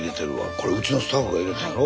これうちのスタッフがいれたんやろ？